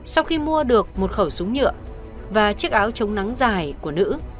sau khi mua được một khẩu súng nhựa và chiếc áo chống nắng dài của nữ